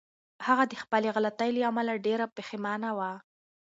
هغه د خپلې غلطۍ له امله ډېره پښېمانه وه.